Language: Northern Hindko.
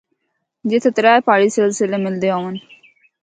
جِتھا ترے پہاڑی سلسلے ملدے ہون۔